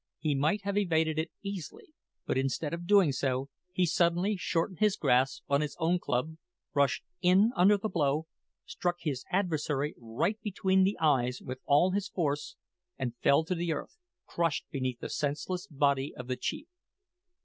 He might have evaded it easily, but instead of doing so, he suddenly shortened his grasp of his own club, rushed in under the blow, struck his adversary right between the eyes with all his force, and fell to the earth, crushed beneath the senseless body of the chief.